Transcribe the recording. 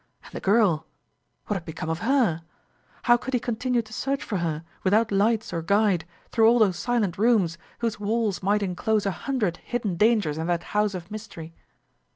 And the girl . what had become of her? How could he continue to search for her, without lights or guide, through all those silent rooms, whose walls might inclose a hundred hidden dangers in that house of mystery?